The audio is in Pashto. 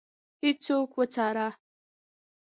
هیڅوک وڅاره.